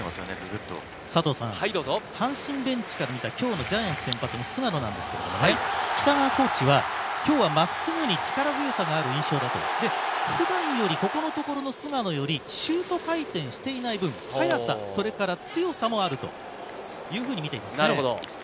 阪神ベンチから見た今日のジャイアンツの先発・菅野ですが、北川コーチは今日は真っすぐ力強さがある印象と、普段よりここのところの菅野よりシュート回転していない分、速さや強さもあるとみています。